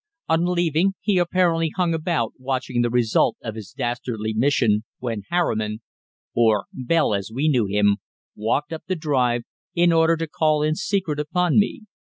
On leaving, he apparently hung about watching the result of his dastardly mission, when Harriman or Bell as we knew him walked up the drive, in order to call in secret upon me.